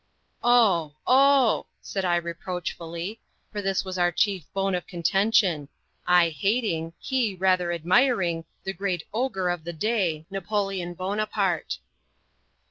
"Oh, oh!" said I, reproachfully; for this was our chief bone of contention I hating, he rather admiring, the great ogre of the day, Napoleon Bonaparte.